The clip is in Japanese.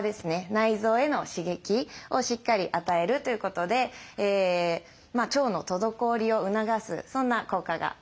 内臓への刺激をしっかり与えるということで腸の滞りを促すそんな効果があります。